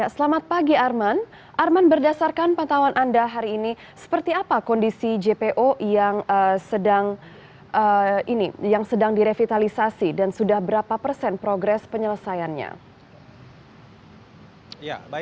selamat pagi arman arman berdasarkan pantauan anda hari ini seperti apa kondisi jpo yang sedang direvitalisasi dan sudah berapa persen progres penyelesaiannya